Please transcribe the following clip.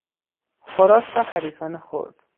خوراک را حریصانه خورد.